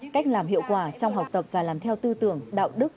cách làm hiệu quả trong học tập và làm theo tư tưởng đạo đức